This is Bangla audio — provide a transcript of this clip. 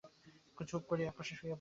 ঝুপ করিয়া একপাশে শুইয়া পড়িলাম।